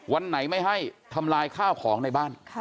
วันไหนไม่ให้ทำลายข้าวของในบ้าน